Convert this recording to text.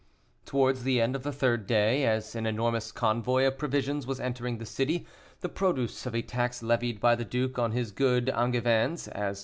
Towards the end of the third day, as an enormous convoy of provisions was entering the city, the produce of a tax levied by the duke on his good Angevins, as M.